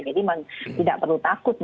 jadi memang tidak perlu takut